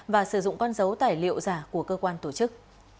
và sử dụng con dấu tài liệu giả của cơ quan tổ chức